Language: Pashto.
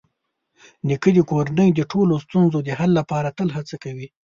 نیکه د کورنۍ د ټولو ستونزو د حل لپاره تل هڅه کوي.